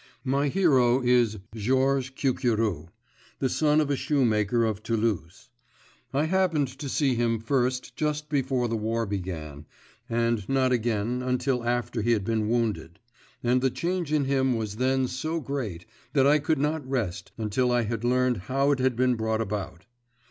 My hero is Georges Cucurou, the son of a shoe maker of Toulouse. I happened to see him first just before the war began, and not again until after he had been wounded; and the change in him was then so great that I could not rest until I had learned how it had been brought about.